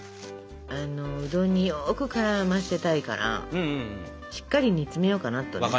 うどんによく絡ませたいからしっかり煮詰めようかなと。